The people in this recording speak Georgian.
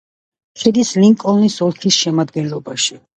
შედის ლინკოლნის ოლქის შემადგენლობაში.